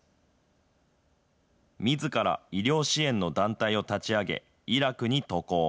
みずから医療支援の団体を立ち上げ、イラクに渡航。